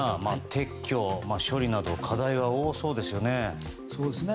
撤去、処理など課題は多そうですね。